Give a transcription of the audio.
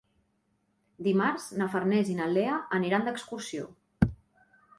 Dimarts na Farners i na Lea aniran d'excursió.